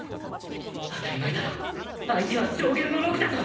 当たり前だろ相手は上弦の陸だぞ！